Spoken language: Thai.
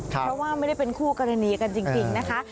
เพราะว่าไม่ได้เป็นคู่กรณีกันจริงนะคะ